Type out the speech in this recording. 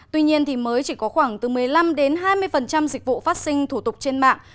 tuy nhiên thì mới chỉ có khoảng từ một mươi năm đến hai mươi dịch vụ phát sinh thủ tục trên mạng